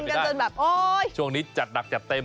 ไม่ได้ช่วงนี้จัดดับจัดเต็ม